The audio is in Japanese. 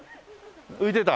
浮いてた？